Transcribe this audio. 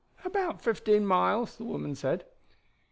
"About fifteen miles," the woman said.